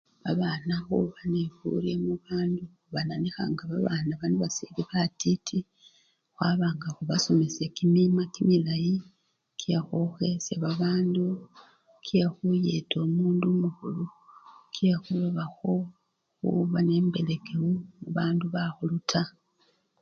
Babana khuba neburye mubandu bananikha nga babana bano basili batiti, khwaba nga khubasomesya kimima kimilayi, kyekhukhesya babandu, kyekhuyeta omundu omukhulu kyekhuloba khuba nembelekewu khubandu bakhulu taa.